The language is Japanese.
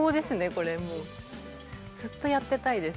これもうずっとやってたいです